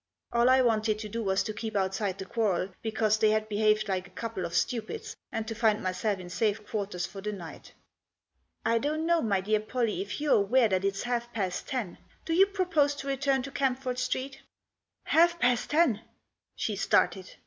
All I wanted to do was to keep outside the quarrel, because they had behaved like a couple of stupids, and to find myself in safe quarters for the night. " I don't know, my dear Pollie, if you're aware that it's past half past ten. Do you propose to return to Camford Street?" MAX LANDER. 77 " Past half past ten !" She started.